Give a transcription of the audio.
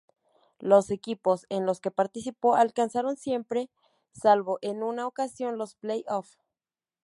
Los equipos en los que participó alcanzaron siempre, salvo en una ocasión, los play-offs.